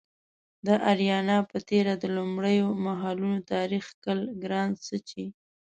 د اریانا په تیره د لومړیو مهالونو تاریخ کښل ګران څه چې